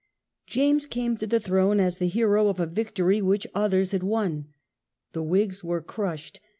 James came to the throne as the hero of a victory which others had won. The Whigs were crushed.